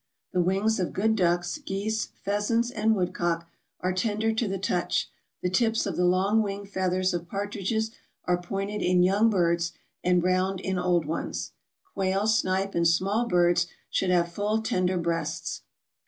The wings of good ducks, geese, pheasants, and woodcock are tender to the touch; the tips of the long wing feathers of partridges are pointed in young birds, and round in old ones. Quail, snipe, and small birds should have full tender breasts.